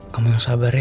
kamu yang sabar ya